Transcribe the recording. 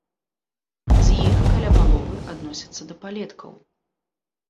З іх каля паловы адносяцца да палеткаў.